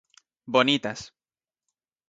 Bonitas.